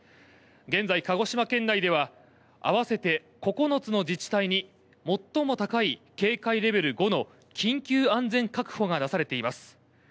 現在、鹿児島県内では合わせて９つの自治体に最も高い警戒レベル５の緊急安全確保が出されています。